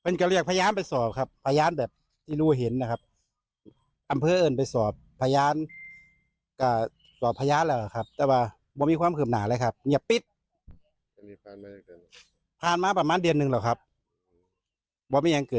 นี่ยังเกิดอีกขึ้นครับ